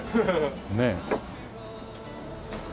ねえ。